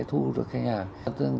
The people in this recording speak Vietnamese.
thu được khách hàng